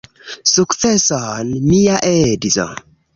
Sukceson, mia edzo!